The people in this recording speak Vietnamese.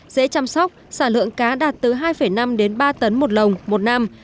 dễ chăm sóc sản lượng cá đạt từ hai năm đến ba tấn một lồng một năm